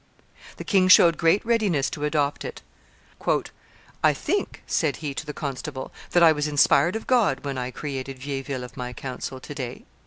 The king showed great readiness to adopt it. "I think," said he to the constable, "that I was inspired of God when I created Vieilleville of my council to day."